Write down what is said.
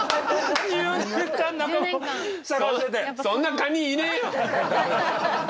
そんなカニいねえよ！